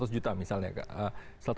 seratus juta misalnya